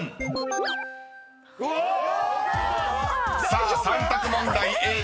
［さあ３択問題